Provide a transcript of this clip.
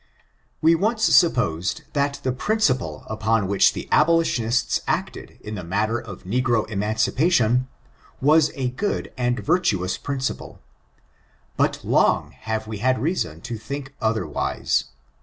We once supposed that the principle upon which the abolitionists acted in the matter of negro emanci pation, was a good and virtuous principle ; but long have we had reason to think otherwise.